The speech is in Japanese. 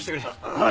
はい。